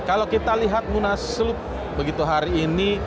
kalau kita lihat munaslup begitu hari ini